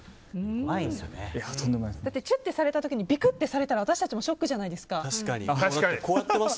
チュッとされた時にビクッとされたら私たちもショックじゃないですか。